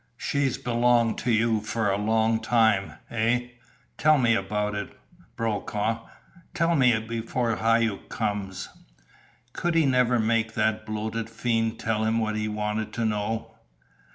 She's belonged to you for a long time, eh? Tell me about it, Brokaw tell me before Hauck comes!" Could he never make that bloated fiend tell him what he wanted to know?